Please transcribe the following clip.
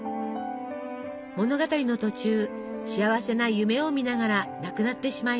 物語の途中幸せな夢を見ながら亡くなってしまいます。